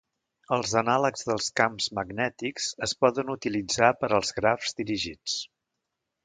Els anàlegs dels camps magnètics es poden utilitzar per als grafs dirigits.